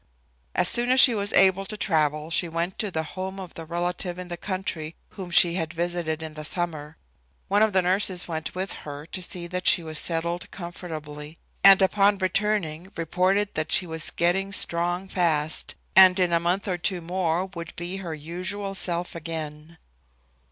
As soon as she was able to travel she went to the home of the relative in the country whom she had visited in the summer. One of the nurses went with her to see that she was settled comfortably, and upon returning reported that she was getting strong fast, and in a month or two more would be her usual self again.